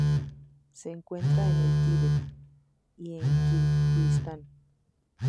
Se encuentra en el Tibet y en Kirguistán.